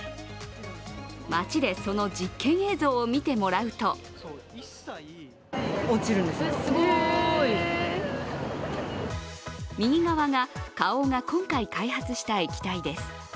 街でその実験映像を見てもらうと右側が、花王が今回開発した液体です。